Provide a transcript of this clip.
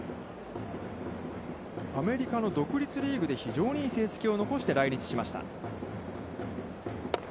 アメリカの独立リーグで非常にいい成績を残して来日しました。